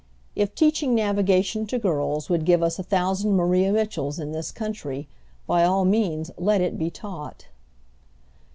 If teaching navigation to girls would give us a thousand Maria Mitchells in this country, by all means let it be taught.